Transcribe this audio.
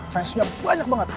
fansnya banyak banget